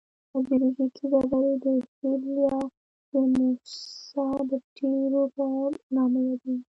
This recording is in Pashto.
دا جیولوجیکي ډبرې د شیل یا د موسی د ډبرو په نامه یادیږي.